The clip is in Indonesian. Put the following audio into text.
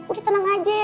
udah tenang aja